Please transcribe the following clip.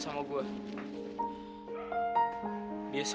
si gendy masih marah kali ya sama gua